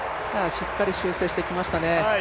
しっかり修正してきましたね。